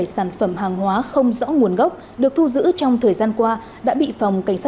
ba nghìn bốn trăm năm mươi bảy sản phẩm hàng hóa không rõ nguồn gốc được thu giữ trong thời gian qua đã bị phòng cảnh sát